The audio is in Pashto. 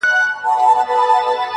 • دده مخ د نمکينو اوبو ډنډ سي.